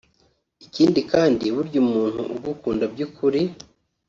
Ikindi kandi burya umuntu ugukunda by’ukuri